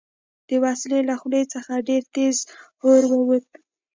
د وسلې له خولې څخه ډېر تېز اور ووت